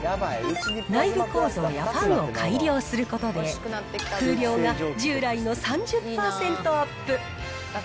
内部構造やファンを改良することで、風量が従来の３０％アップ。